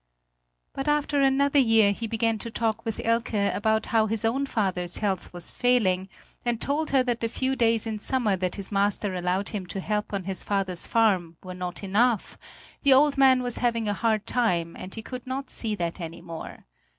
But after another year he began to talk with Elke about how his own father's health was failing and told her that the few days in summer that his master allowed him to help on his father's farm were not enough; the old man was having a hard time, and he could not see that any more.